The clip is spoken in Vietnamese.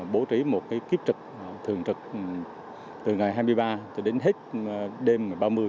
bố trí một cái kiếp trực thường trực từ ngày hai mươi ba đến hết đêm ba mươi